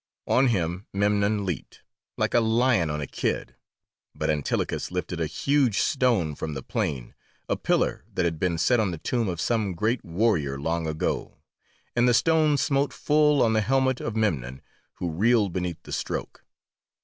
On him Memnon leaped, like a lion on a kid, but Antilochus lifted a huge stone from the plain, a pillar that had been set on the tomb of some great warrior long ago, and the stone smote full on the helmet of Memnon, who reeled beneath the stroke.